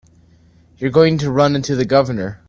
You're going to run into the Governor.